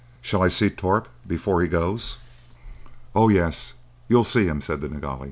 Shall I see Torp before he goes?" "Oh, yes. You'll see him," said the Nilghai.